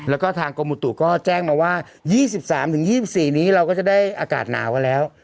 แล้วก็ทางกรมุตุก็แจ้งมาว่ายี่สิบสามถึงยี่สิบสี่นี้เราก็จะได้อากาศหนาวแล้ว